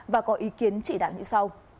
và có ý kiến chỉ đảm như sau